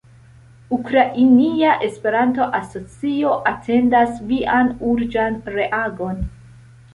Ukrainia Esperanto-Asocio atendas Vian urĝan reagon."